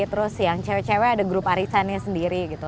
terus yang cewek cewek ada grup arisannya sendiri gitu